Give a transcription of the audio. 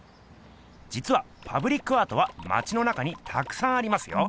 じつはパブリックアートはまちの中にたくさんありますよ。